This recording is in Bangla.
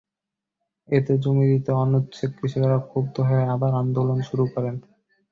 এতে জমি দিতে অনিচ্ছুক কৃষকেরা ক্ষুব্ধ হয়ে আবার আন্দোলন শুরু করেন।